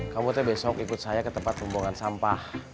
kamu besok ikut saya ke tempat pembongan sampah